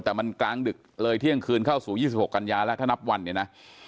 แต่มันกลางดึกเลยเที่ยงคืนเข้าสู่๒๖กันยาแล้วถ้านับวันเนี่ยนะ